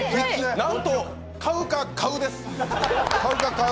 なんと、「買う」か「買う」です。